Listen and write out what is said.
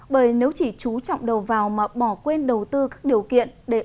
bởi nếu chỉ trú trọng đầu vào mà bỏ quên đầu tư các điều kiện